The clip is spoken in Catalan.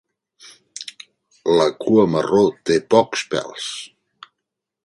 La cua marró té pocs pèls.